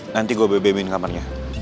nanti gue bebebin kamarnya